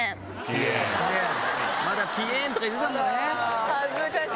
まだ「ぴぇん」とか言ってたんだね。